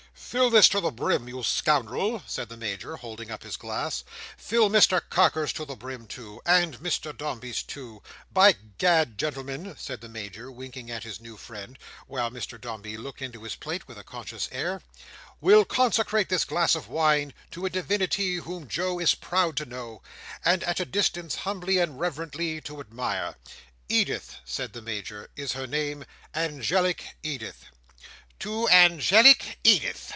"Fill this to the brim, you scoundrel," said the Major, holding up his glass. "Fill Mr Carker's to the brim too. And Mr Dombey's too. By Gad, gentlemen," said the Major, winking at his new friend, while Mr Dombey looked into his plate with a conscious air, "we'll consecrate this glass of wine to a Divinity whom Joe is proud to know, and at a distance humbly and reverently to admire. Edith," said the Major, "is her name; angelic Edith!" "To angelic Edith!"